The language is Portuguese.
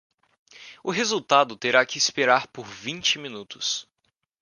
O resultado terá que esperar por vinte minutos.